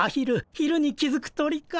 昼に気付く鳥か。